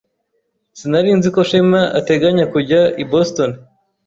Sinari nzi ko Shema ateganya kujya i Boston.